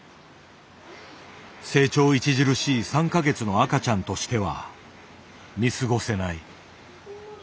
成長著しい３か月の赤ちゃんとしては見過ごせない。